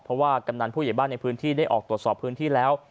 เพราะว่ากำนันผู้ใหญ่บ้านในพื้นที่ได้ออกตรวจสอบพื้นที่แล้ว